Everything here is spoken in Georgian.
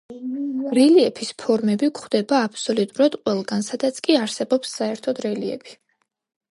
რელიეფის ფორმები გვხვდება აბსოლუტურად ყველგან, სადაც კი არსებობს საერთოდ რელიეფი.